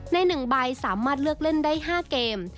ใน๑ใบสามารถเลือกเล่นได้๕เกม